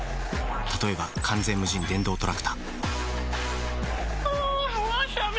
例えば完全無人電動トラクタあぁわさび。